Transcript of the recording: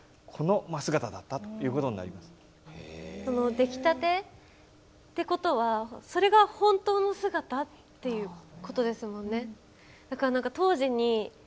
出来たてってことはそれが本当の姿っていうことですもんね。